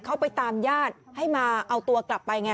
เขาไปตามญาติให้มาเอาตัวกลับไปไง